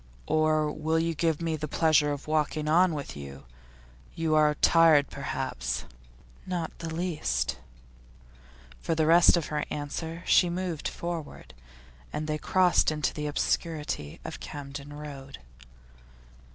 'Or will you give me the pleasure of walking on with you? You are tired, perhaps?' 'Not the least.' For the rest of her answer she moved forward, and they crossed into the obscurity of Camden Road.